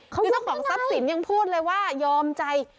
คือต้องของซับสิ้นยังพูดเลยว่ายอมใจ